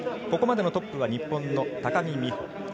ここまでのトップは日本の高木美帆。